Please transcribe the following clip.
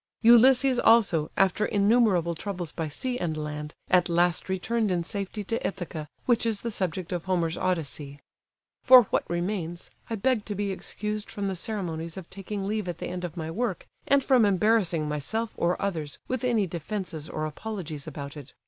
Ulysses also, after innumerable troubles by sea and land, at last returned in safety to Ithaca, which is the subject of Homer's Odyssey. For what remains, I beg to be excused from the ceremonies of taking leave at the end of my work, and from embarrassing myself, or others, with any defences or apologies about it.